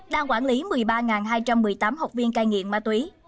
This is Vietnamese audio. đang quản lý một mươi ba hai trăm một mươi tám học viên cai nghiện ma túy